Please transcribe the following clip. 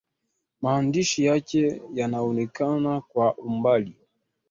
Maandishi yake yanaonekana kwa umbali.